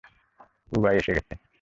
উবাই এসে গেছে।